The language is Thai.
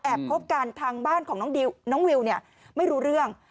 คบกันทางบ้านของน้องดิวน้องวิวเนี่ยไม่รู้เรื่อง